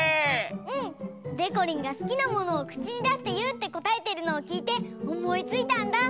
うん！でこりんが「すきなものをくちにだしていう」ってこたえてるのをきいておもいついたんだ！